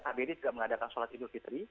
kbri juga mengadakan sholat idul fitri